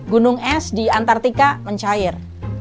gunung es di antartika mencair